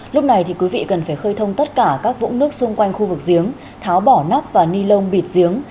lúc này thì quý vị cần phải khơi thông tất cả các vũng nước xung quanh khu vực giếng tháo bỏ nắp và ni lông bịt giếng